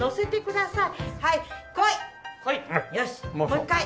もう１回。